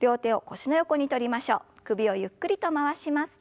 首をゆっくりと回します。